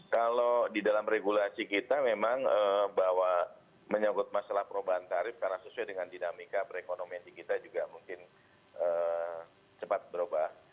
kalau di dalam regulasi kita memang bahwa menyangkut masalah perubahan tarif karena sesuai dengan dinamika perekonomian di kita juga mungkin cepat berubah